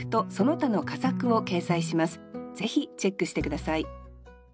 ぜひチェックして下さい。